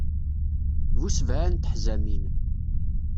Bu sebɛa n teḥzamin.